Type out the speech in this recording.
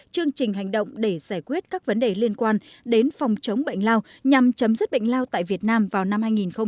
chương trình hành động để giải quyết các vấn đề liên quan đến phòng chống bệnh lao nhằm chấm dứt bệnh lao tại việt nam vào năm hai nghìn ba mươi